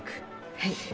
はい。